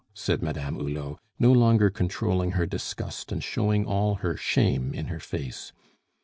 said Madame Hulot, no longer controlling her disgust, and showing all her shame in her face.